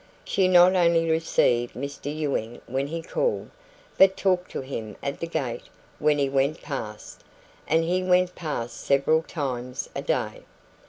She not only received Mr Ewing when he called, but talked to him at the gate when he went past and he went past several times a day.